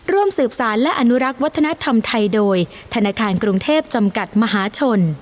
ร่วมสืบสารและอนุรักษ์วัฒนธรรมไทยโดยธนาคารกรุงเทพจำกัดมหาชน